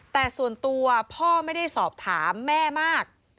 แต่ส่วนตัวพ่อไม่ได้สอบถามแม่มาก